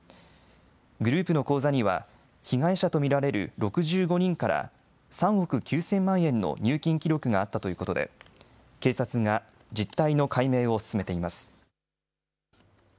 グループの口座には、被害者と見られる６５人から、３億９０００万円の入金記録があったということで、警察が実態の解明を進めています。